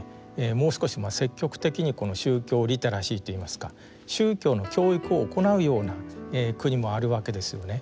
もう少し積極的にこの宗教リテラシーっていいますか宗教の教育を行うような国もあるわけですよね。